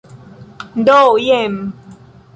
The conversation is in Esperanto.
Do jen.